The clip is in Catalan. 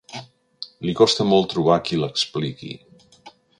Li costa molt trobar qui l'expliqui.